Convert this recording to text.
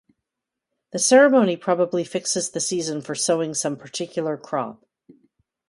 The ceremony probably fixes the season for sowing some particular crop.